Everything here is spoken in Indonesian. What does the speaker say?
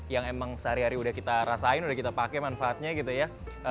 yang emang sehari hari udah kita rasain udah kita pakai manfaatnya gitu ya